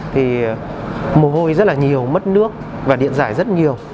thì mồ hôi rất là nhiều mất nước và điện giải rất nhiều